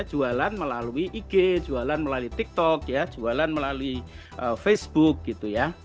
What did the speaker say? jualan melalui ig jualan melalui tiktok ya jualan melalui facebook gitu ya